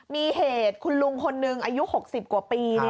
มีเหตุคุณลุงคนหนึ่งอายุ๖๐กว่าปี